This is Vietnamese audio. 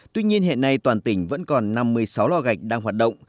tuy nhiên hiện nay toàn tỉnh vẫn còn năm mươi sáu lo gạch đang hoạt động